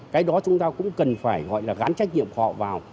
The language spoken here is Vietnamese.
cái đó chúng ta cũng cần phải gọi là gắn trách nhiệm của họ vào